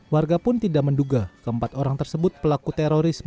warga pun tidak menduga keempat orang tersebut pelaku terorisme